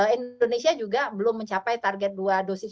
indonesia juga belum mencapai target dua dosis